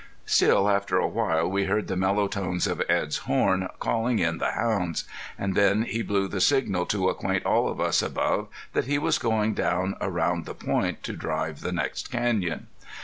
Still, after a while we heard the mellow tones of Edd's horn, calling in the hounds. And then he blew the signal to acquaint all of us above that he was going down around the point to drive the next canyon.